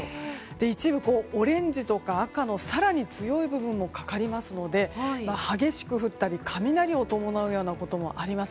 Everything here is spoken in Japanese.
一部、オレンジとか赤の更に強い部分もかかりますので激しく降ったり雷を伴うようなこともあります。